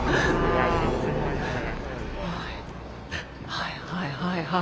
はいはいはいはい。